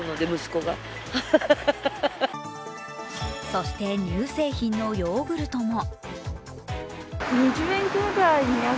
そして乳製品のヨーグルトも。